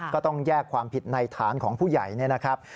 ก็ต้องแยกความผิดในฐานของผู้ใหญ่เนี่ยนะครับ